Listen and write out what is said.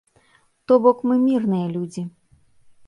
То бок, мы мірныя людзі.